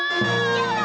やった！